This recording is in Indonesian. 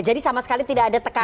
jadi sama sekali tidak ada tekanan